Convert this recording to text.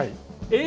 え！